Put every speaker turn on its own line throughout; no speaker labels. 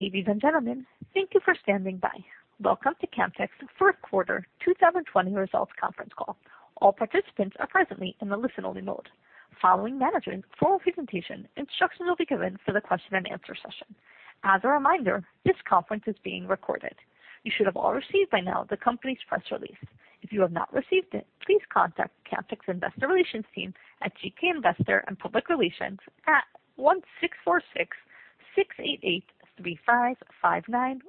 Ladies and gentlemen, thank you for standing by. Welcome to Camtek's First Quarter 2020 Results Conference Call. All participants are presently in the listen-only mode. Following management's formal presentation, instructions will be given for the question-and-answer session. As a reminder, this conference is being recorded. You should have all received by now the company's press release. If you have not received it, please contact Camtek's Investor Relations team at GK Investor & Public Relations. At 1-646-688-3559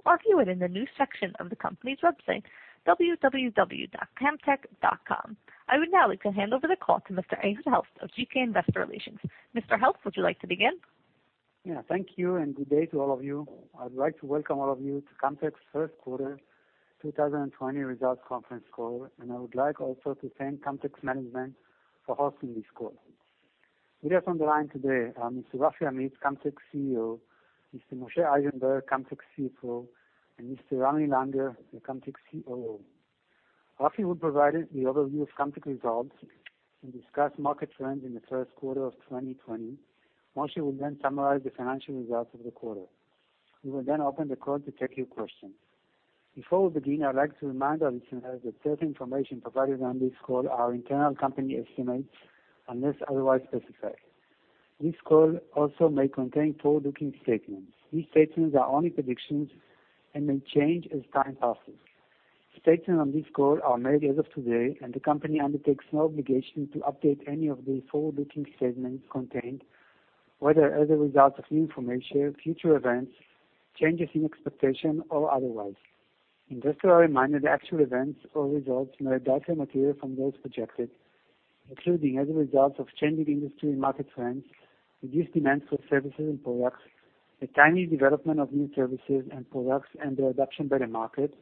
or view it in the News section of the company's website, www.camtek.com. I would now like to hand over the call, to Mr. Ehud Helft of GK Investor Relations. Mr. Helft, would you like to begin?
Yeah. Thank you, good day to all of you. I'd like to welcome all of you to Camtek's First Quarter 2020 Results Conference Call. I would like also to thank Camtek's management for hosting this call. With us on the line today are Mr. Rafi Amit, Camtek's CEO. Mr. Moshe Eisenberg, Camtek's CFO, and Mr. Ramy Langer, the Camtek's COO. Rafi will provide the overview of Camtek results, and discuss market trends in the first quarter of 2020. Moshe will summarize the financial results of the quarter. We will open the call to take your questions. Before we begin, I would like to remind our listeners. That certain information provided on this call, are internal company estimates unless otherwise specified. This call also may contain forward-looking statements. These statements are only predictions, and may change as time passes. Statements on this call are made as of today, and the company undertakes no obligation. To update any of the forward-looking statements contained. Whether as a result of new information, future events, changes in expectation, or otherwise. Investors are reminded that actual events or results, may differ materially from those projected, including as a result of changing industry, and market trends. Reduced demands for services, and products. The timely development of new services, and products, and their adoption by the market.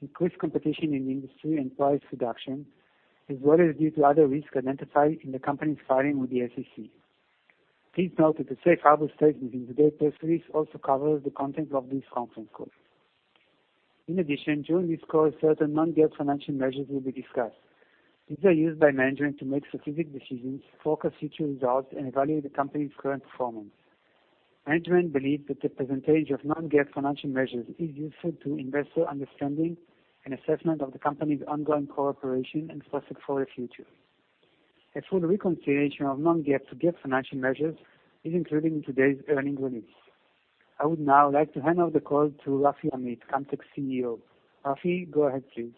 Increased competition in the industry, and price reduction. As well as due to other risks identified, in the company's filing with the SEC. Please note that the safe harbor statement in today's press release, also covers the content of this conference call. In addition, during this call, certain non-GAAP financial measures will be discussed. These are used by management, to make strategic decisions. Forecast future results, and evaluate the company's current performance. Management believes, that the presentation of non-GAAP financial measures is useful. To investor understanding, and assessment of the company's ongoing cooperation, and prospects for the future. A full reconciliation of non-GAAP, to GAAP financial measures is included in today's earnings release. I would now like to hand over the call, to Rafi Amit, Camtek's CEO. Rafi, go ahead, please.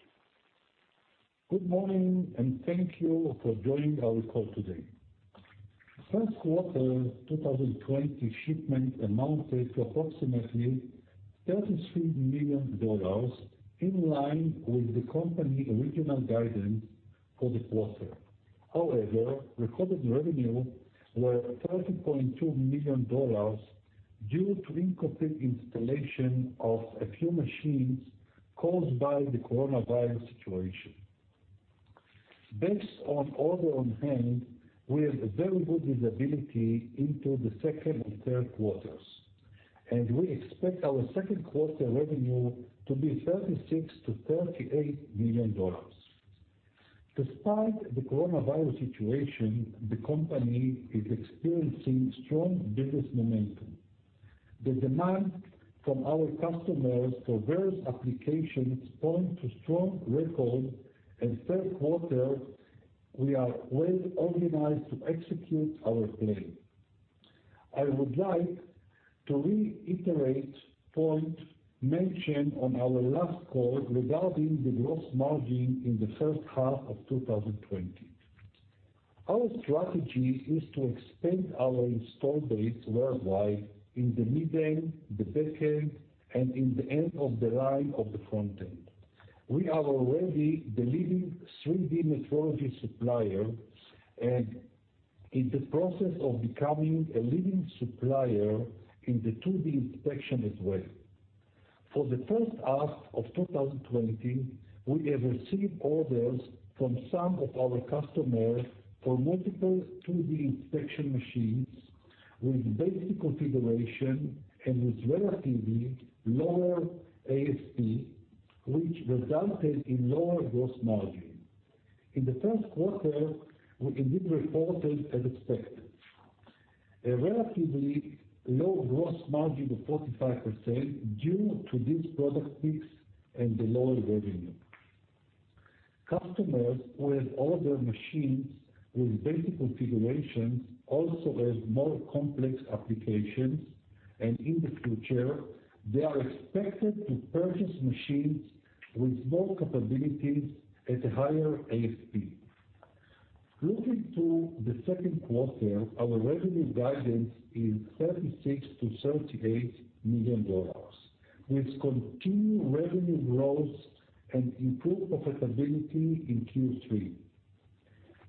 Good morning, and thank you for joining our call today. First quarter 2020 shipment amounted, to approximately $33 million. In line with the company original guidance for the quarter. Recorded revenue were $30.2 million, due to incomplete installation of a few machines. Caused by the coronavirus situation. Based on order on hand, we have a very good visibility into the second and third quarters. We expect our second quarter revenue, to be $36 million-$38 million. Despite the coronavirus situation, the company is experiencing strong business momentum. The demand from our customers, for various applications point. To strong record, and third quarter, we are well organized to execute our plan. I would like, to reiterate point mentioned on our last call. Regarding the gross margin, in the first half of 2020. Our strategy is to expand, our install base worldwide. In the mid-end, the back-end, and in the end of the line of the front-end. We are already the leading 3D metrology supplier, and in the process of becoming a leading supplier in the 2D inspection as well. For the first half of 2020, we have received orders from some of our customers. For multiple 2D inspection machines with basic configuration, and with relatively lower ASP. Which resulted in lower gross margin. In the first quarter, we indeed reported as expected. A relatively low gross margin of 45%, due to this product mix, and the lower revenue. Customers who have ordered machines, with basic configurations. Also have more complex applications. In the future, they are expected to purchase machines. With more capabilities at a higher ASP. Looking to the second quarter, our revenue guidance is $36 million-$38 million. With continued revenue growth, and improved profitability in Q3.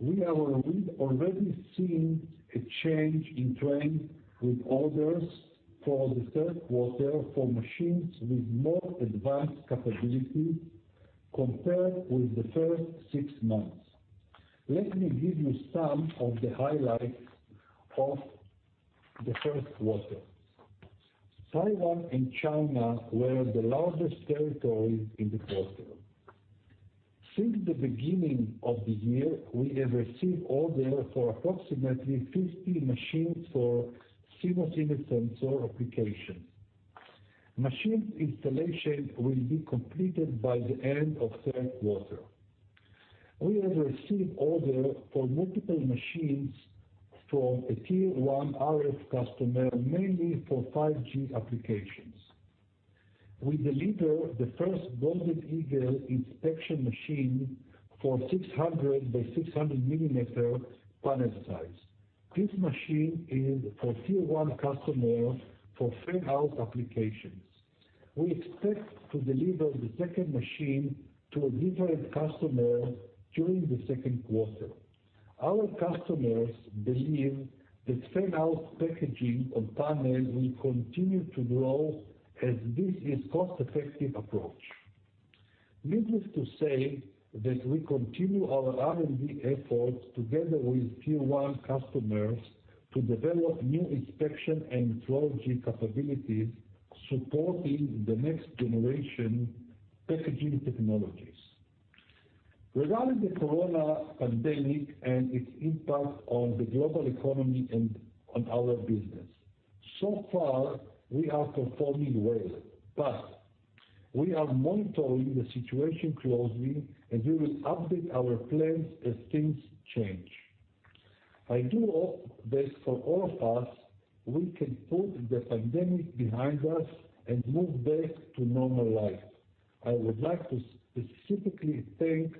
We are already seeing a change in trend with orders. For the third quarter for machines, with more advanced capability. Compared with the first six months. Let me give you some of the highlights of the first quarter. Taiwan and China were the largest territories in the quarter. Since the beginning of the year, we have received orders. For approximately 50 machines, for CMOS Image Sensor applications. Machine installation will be completed, by the end of the third quarter. We have received orders for multiple machines, from a Tier-One RF customer, mainly for 5G applications. We delivered the first Golden Eagle inspection machine, for 600 by 600 mm panel size. This machine is for Tier-One customers, for fan-out applications. We expect to deliver the second machine. To a different customer, during the second quarter. Our customers believe, that fan-out packaging on panels. Will continue to grow, as this is cost-effective approach. Needless to say, that we continue our R&D efforts. Together with Tier-One customers to develop new inspection, and metrology capabilities. Supporting the next-generation packaging technologies. Regarding the corona pandemic, and its impact on the global economy, and on our business. So far, we are performing well. We are monitoring the situation closely, and we will update our plans as things change. I do hope that for all of us, we can put the pandemic behind us, and move back to normal life. I would like to specifically thank,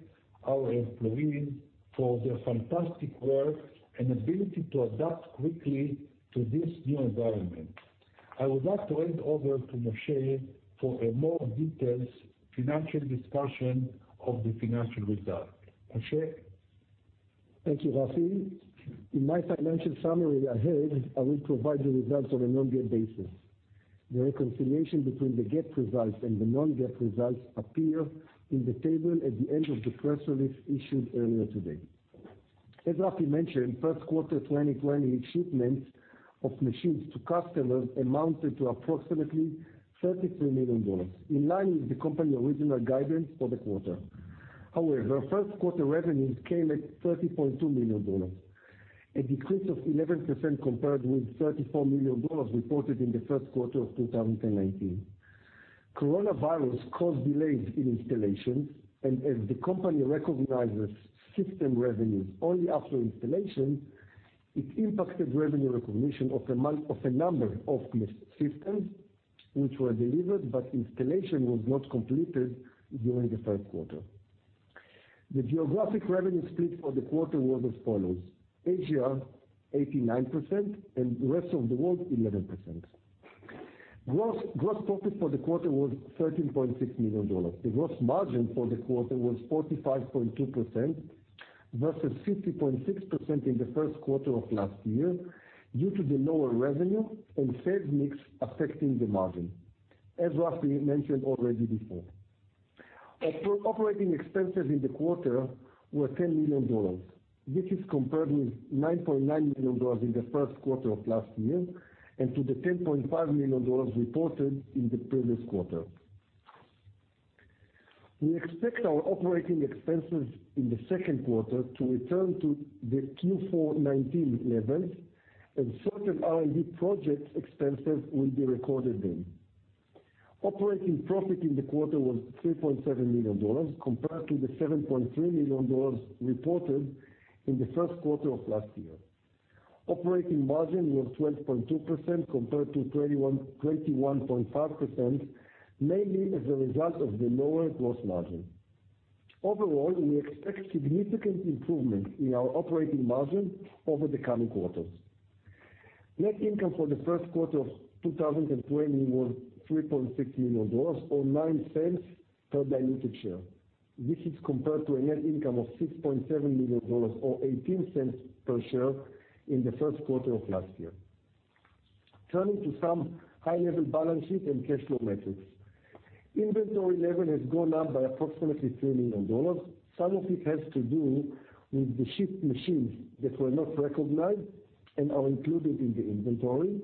our employees for their fantastic work. And ability to adapt quickly, to this new environment. I would like to hand over to Moshe. For a more detailed, financial discussion of the financial results. Moshe?
Thank you, Rafi. In my financial summary ahead, I will provide the results on a non-GAAP basis. The reconciliation between the GAAP results, and the non-GAAP results. Appear in the table, at the end of the press release issued earlier today. As Rafi mentioned, first quarter 2020 shipments of machines to customers. Amounted to approximately $33 million, in line with the company original guidance for the quarter. First quarter revenues came at $30.2 million, a decrease of 11%. Compared with $34 million reported, in the first quarter of 2019. Coronavirus caused delays in installations, and as the company recognizes system revenues only after installation. It impacted revenue recognition of a number of systems, which were delivered. But installation was not completed, during the first quarter. The geographic revenue split for the quarter was as follows. Asia, 89%, and rest of the world, 11%. Gross profit for the quarter was $13.6 million. The gross margin for the quarter was 45.2%, versus 50.6% in the first quarter of last year. Due to the lower revenue, and sales mix affecting the margin. As Rafi mentioned already before. Operating expenses in the quarter were $10 million. This is compared with $9.9 million in the first quarter of last year, and to the $10.5 million reported in the previous quarter. We expect our operating expenses in the second quarter. To return to the Q4 2019 levels, and certain R&D project expenses will be recorded then. Operating profit in the quarter was $3.7 million. Compared to the $7.3 million, reported in the first quarter of last year. Operating margin was 12.2% compared to 21.5%. Mainly, as a result of the lower gross margin. Overall, we expect significant improvement in our operating margin, over the coming quarters. Net income for the first quarter of 2020, was $3.6 million or $0.09 per diluted share. This is compared to a net income of $6.7 million, or $0.18 per share in the first quarter of last year. Turning to some high-level balance sheet, and cash flow metrics. Inventory level has gone up, by approximately $3 million. Some of it has to do, with the shipped machines. That were not recognized, and are included in the inventory.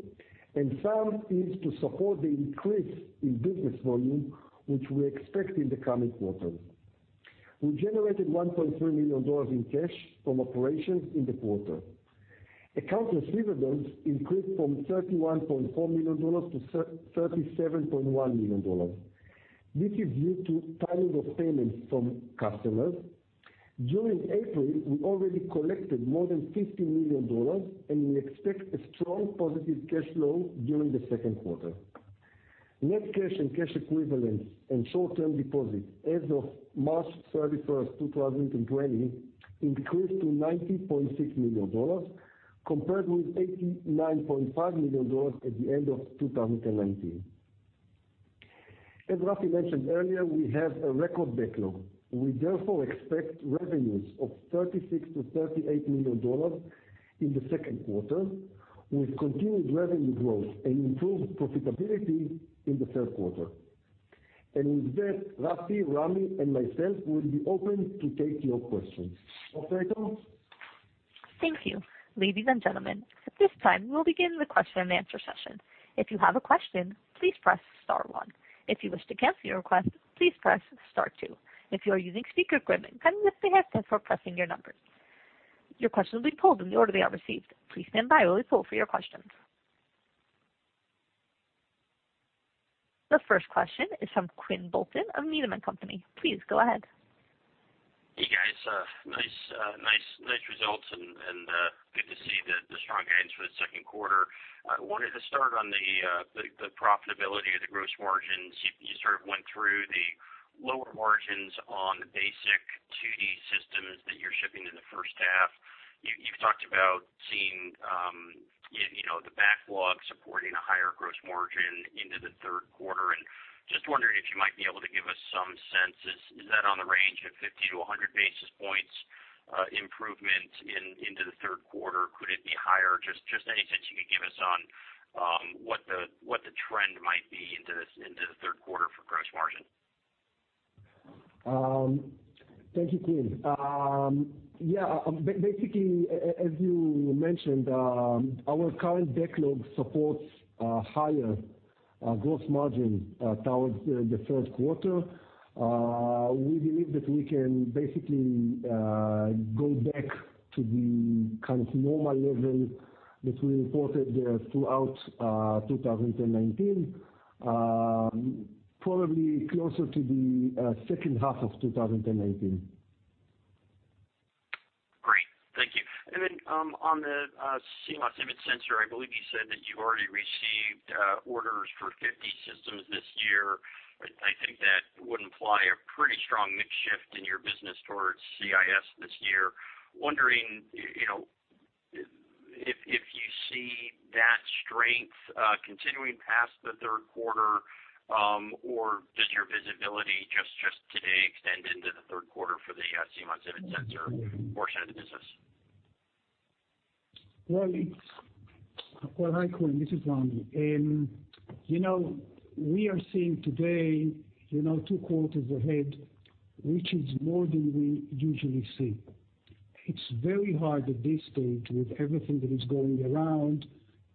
And some is to support the increase in business volume. Which we expect in the coming quarters. We generated $1.3 million in cash, from operations in the quarter. Accounts receivable increased from $31.4 million to $37.1 million. This is due to timing of payments from customers. During April, we already collected more than $15 million. And we expect a strong positive cash flow, during the second quarter. Net cash and cash equivalents, and short-term deposits as of March 31st, 2020. Increased to $90.6 million, compared with $89.5 million at the end of 2019. As Rafi mentioned earlier, we have a record backlog. We therefore expect revenues of $36 million-$38 million in the second quarter. With continued revenue growth, and improved profitability in the third quarter. With that, Rafi, Ramy, and myself will be open, to take your questions. Operators?
Thank you. Ladies and gentlemen, at this time, we'll begin the question-and-answer session. If you have a question, please press star one. If you wish to cancel your request, please press star two. If you are using speaker equipment, kindly lift your headset before pressing your numbers. Your questions will be pulled, in the order they are received. Please stand by, while we pull for your questions. The first question is from, Quinn Bolton of Needham & Company. Please go ahead.
Hey, guys. Nice results, and good to see the strong guidance for the second quarter. I wanted to start on the profitability of the gross margins. You sort of went through, the lower margins on the basic 2D systems. That you're shipping in the first half. You've talked about seeing the backlog, supporting a higher gross margin into the third quarter. And just wondering, if you might be able to give us some sense? Is that on the range of 50 basis points-100 basis points improvement into the third quarter? Could it be higher? Just any sense you could give us on, what the trend might be? Into the third quarter for gross margin.
Thank you, Quinn. Yeah, basically, as you mentioned. Our current backlog supports, a higher gross margin towards the third quarter. We believe that we can basically, go back to the kind of normal level. That we reported throughout 2019. Probably, closer to the second half of 2019.
Great, thank you. Then on the CMOS Image Sensor, I believe you said. That you already received orders for 50 systems this year. I think that would imply, a pretty strong mix shift in your business towards CIS this year. Wondering if you see, that strength continuing past the third quarter? Or does your visibility, just today extend into the third quarter? For the CMOS Image Sensor portion of the business.
Well, hi, Quinn. This is Ramy. We are seeing today, two quarters ahead. Which is more than we usually see. It's very hard at this stage, with everything that is going around.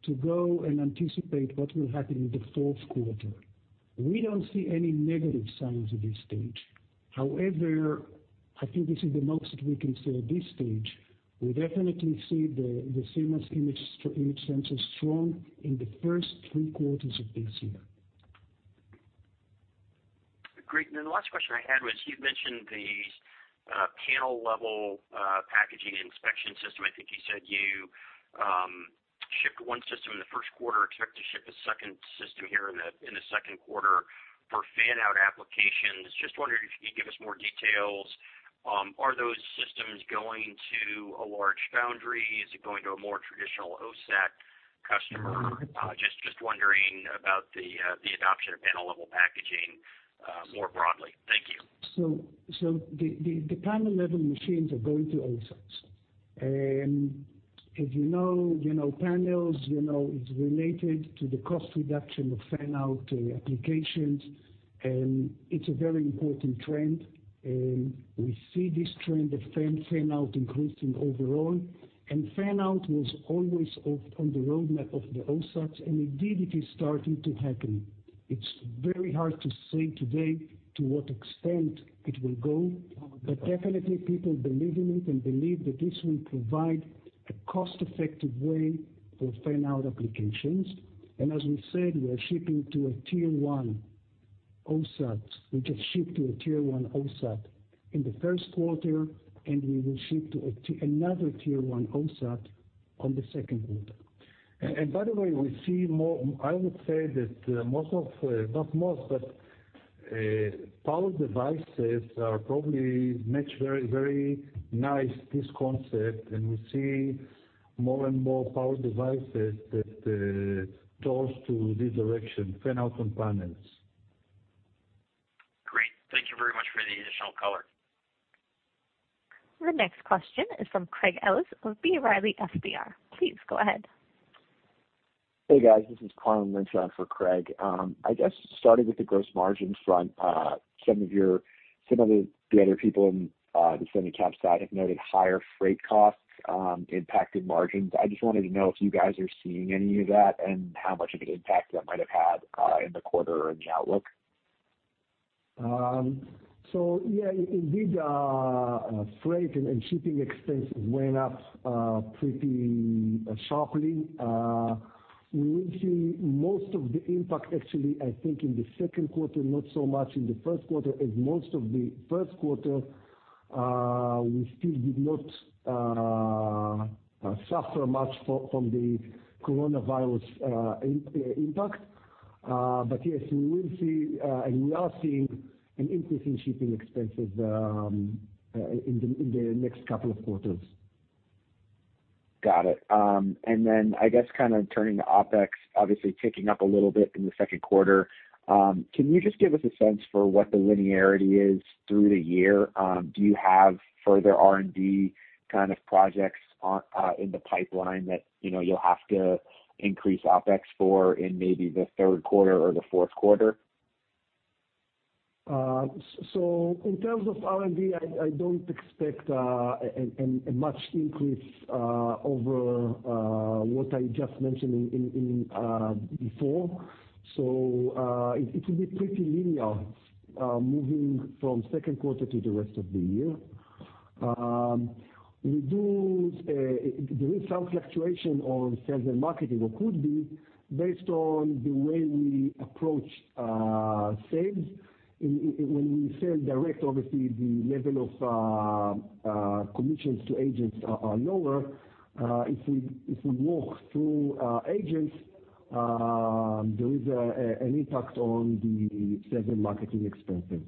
To go and anticipate, what will happen in the fourth quarter? We don't see any negative signs at this stage. However, I think this is the most, that we can say at this stage. We definitely see the CMOS Image Sensor strong, in the first three quarters of this year.
Great. Then the last question I had was, you'd mentioned the panel-level packaging inspection system. I think, you said you shipped one system in the first quarter. Expect to ship a second system here, in the second quarter for fan-out applications. Just wondering, if you could give us more details? Are those systems going to a large foundry? Is it going to a more traditional OSAT customer? Just wondering about the adoption, of panel-level packaging more broadly? Thank you.
The panel-level machines are going to OSATs. As you know, panels, it's related to the cost reduction of fan-out applications. It's a very important trend. We see this trend of fan-out increasing overall, and fan-out was always on the roadmap of the OSATs. And indeed it is starting to happen. It's very hard to say today, to what extent it will go. Definitely people believe in it, and believe that this will provide. A cost-effective way, for fan-out applications. As we said, we are shipping to a Tier One OSAT, which has shipped to a Tier One OSAT in the first quarter. And we will ship to another Tier One OSAT on the second quarter. By the way, I would say that power devices. Probably, match very nice this concept, and we see more, and more power devices. That goes to this direction, fan-out components.
Great. Thank you very much, for the additional color.
The next question is from, Craig Ellis of B. Riley FBR. Please go ahead.
Hey, guys. This is Carl Lynch on for Craig. I guess starting with the gross margin front. Some of the other people in the semi caps side. Have noted higher freight costs impacted margins. I just wanted to know, if you guys are seeing any of that? And how much of an impact, that might have had in the quarter or in the outlook?
Yeah, indeed, freight and shipping expenses went up pretty sharply. We will see most of the impact actually, I think in the second quarter. Not so much in the first quarter, as most of the first quarter. We still did not suffer much, from the coronavirus impact. Yes, we will see, and we are seeing an increase in shipping expenses, in the next couple of quarters.
Got it. I guess, kind of turning to OpEx. Obviously, ticking up a little bit in the second quarter. Can you just give us a sense for, what the linearity is through the year? Do you have further R&D kind of projects in the pipeline. That you'll have to increase OpEx, for in maybe the third quarter or the fourth quarter?
In terms of R&D, I don't expect a much increase over, what I just mentioned before? It will be pretty linear moving from second quarter, to the rest of the year. There is some fluctuation on sales, and marketing. Or could be, based on the way we approach sales. When we sell direct, obviously, the level of commissions to agents are lower. If we work through agents, there is an impact on the sales, and marketing expenses.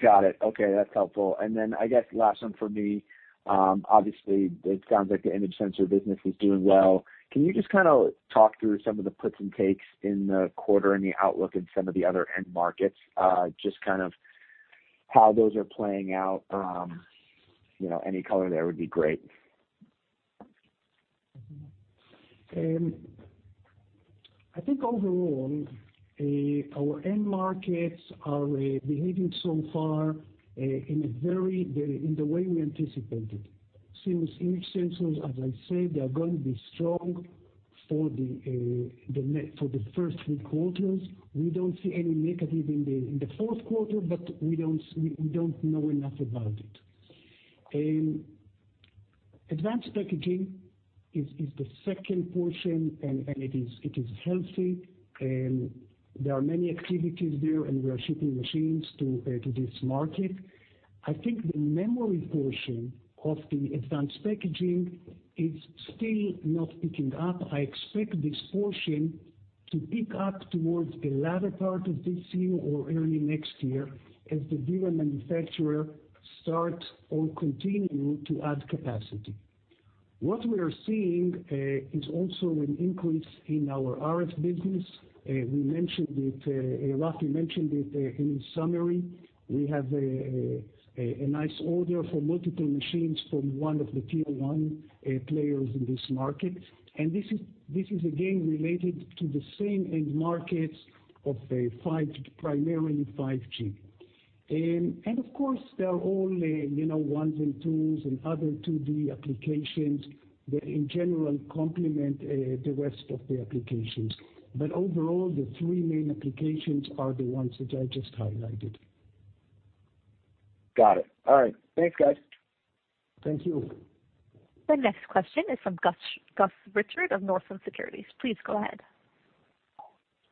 Got it. Okay, that's helpful. I guess, last one from me. Obviously, it sounds like the Image Sensor business is doing well. Can you just kind of talk, through some of the puts and takes? In the quarter, and the outlook in some of the other end markets? Just kind of, how those are playing out? Any color there would be great.
I think overall, our end markets are behaving so far, in the way we anticipated. Since Image Sensors, as I said, they are going to be strong for the first three quarters. We don't see any negative in the fourth quarter, but we don't know enough about it. Advanced packaging is the second portion, and it is healthy. And there are many activities there, and we are shipping machines to this market. I think, the memory portion of the advanced packaging is still not picking up. I expect this portion to pick up, towards the latter part of this year, or early next year. As the DRAM manufacturer start, or continue to add capacity. What we are seeing is also an increase in our RF business. Rafi mentioned it in his summary. We have a nice order for multiple machines, from one of the Tier-One players in this market. This is again related, to the same end markets of primarily 5G. Of course, there are all ones, and twos, and other 2D applications. That in general complement, the rest of the applications. Overall, the three main applications are the ones that I just highlighted.
Got it, all right. Thanks, guys.
Thank you.
The next question is from, Gus Richard of Northland Securities. Please go ahead.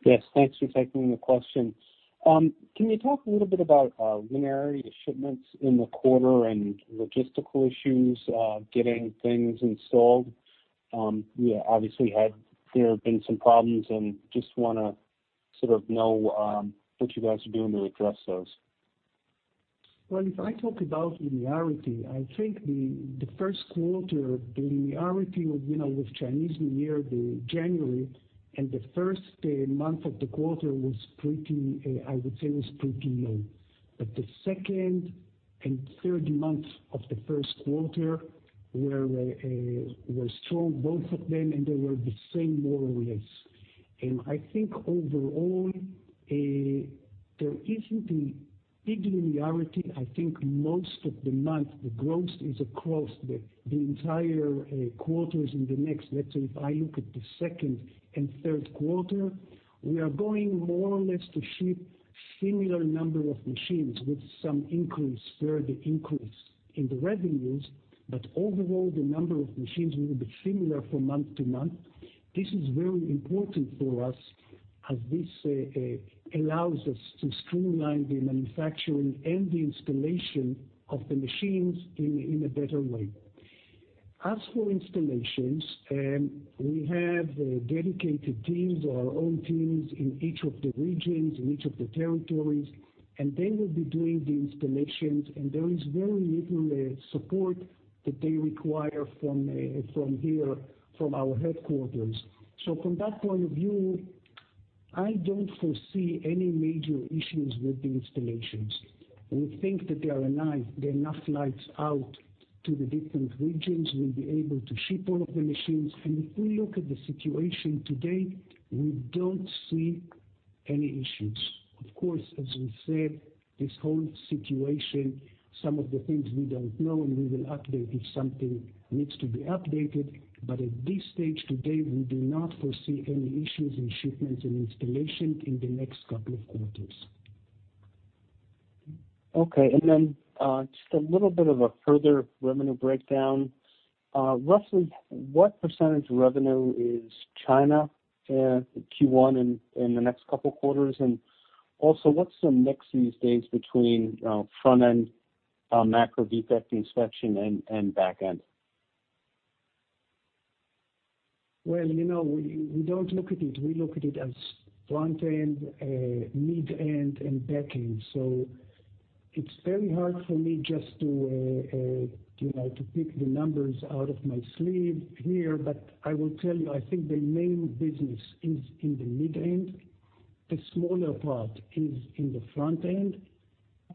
Yes, thanks for taking the question. Can you talk a little bit about linearity of shipments? In the quarter, and logistical issues getting things installed? Obviously, there have been some problems, and just want to sort of know. What you guys are doing to address those?
Well, if I talk about linearity, I think the first quarter. The linearity with Chinese New Year, the January. And the first month of the quarter was pretty, I would say, was pretty low. The second, and third months of the first quarter were strong. Both of them, and they were the same, more or less. I think overall, there isn't a big linearity. I think most of the month, the growth is across the entire quarters in the next. Let's say if I look at the second, and third quarter. We are going more or less, to ship similar number of machines. With some increase, further increase in the revenues. Overall, the number of machines, will be similar from month to month. This is very important for us, as this allows us to streamline. The manufacturing, and the installation of the machines in a better way. As for installations, we have dedicated teams. Or our own teams in each of the regions, in each of the territories. And they will be doing the installations, and there is very little support. That they require from here, from our headquarters. From that point of view, I don't foresee any major issues with the installations. We think, that there are enough flights out, to the different regions. We'll be able to ship, all of the machines. If we look at the situation today, we don't see any issues. Of course, as we said, this whole situation. Some of the things we don't know. And we will update, if something needs to be updated. At this stage today, we do not foresee any issues in shipments, and installation in the next couple of quarters.
Okay, just a little bit of a further revenue breakdown. Roughly, what percentage of revenue is China Q1, in the next couple quarters? What's the mix these days, between front-end macro defect inspection, and back-end?
Well, we don't look at it. We look at it as front-end, mid-end, and back-end. It's very hard for me just, to pick the numbers out of my sleeve here. I will tell you, I think the main business is in the mid-end. A smaller part is in the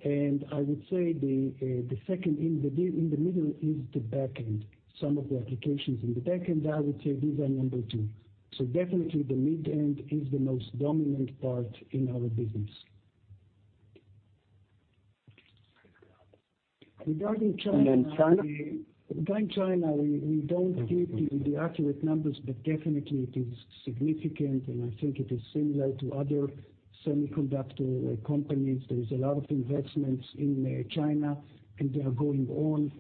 front-end. I would say, the second in the middle is the back-end. Some of the applications in the back-end, I would say these are number two. Definitely, the mid-end is the most dominant part in our business. Regarding China.
China?
Regarding China, we don't give the accurate numbers. But definitely it is significant, and I think it is similar to other semiconductor companies. There is a lot of investments in China, and they are going on.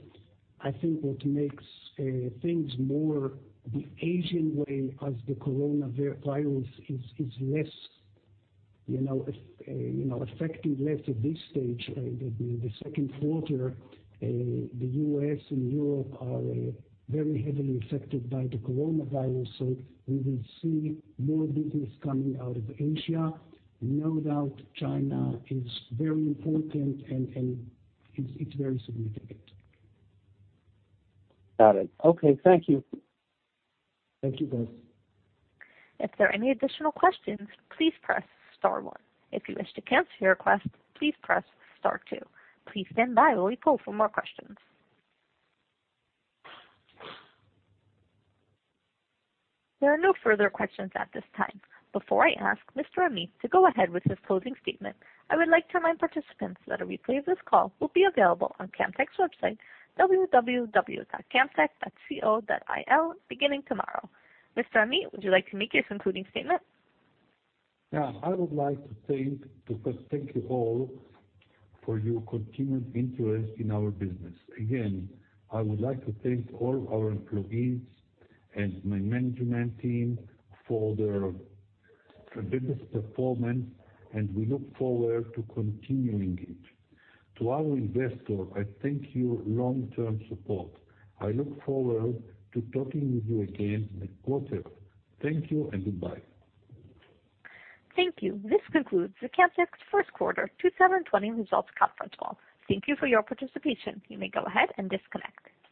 I think, what makes things more the Asian way? As the coronavirus is less effective, less at this stage, the second quarter. The U.S., and Europe are very heavily affected by the coronavirus. We will see more business coming out of Asia. No doubt China is very important, and it's very significant.
Got it, okay. Thank you.
Thank you, Gus.
If there are any additional questions, please press star one. If you wish to cancel your request, please press star two. Please stand by, while we poll for more questions. There are no further questions at this time. Before I ask Mr. Amit to go ahead, with his closing statement. I would like to remind participants, that a replay of this call. Will be available on Camtek's website, www.camtek.co.il, beginning tomorrow. Mr. Amit, would you like to make your concluding statement?
I would like to first thank you all, for your continued interest in our business. Again, I would like to thank all our employees. And my management team, for their tremendous performance. And we look forward to continuing it. To our investor, I thank your long-term support. I look forward, to talking with you again next quarter. Thank you, and goodbye.
Thank you. This concludes the Camtek's First Quarter 2020 Results Conference Call. Thank you for your participation. You may go ahead, and disconnect.